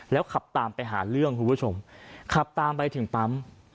แล้วขับตามไปหาเรื่องคุณผู้ชมขับตามไปถึงปั๊ม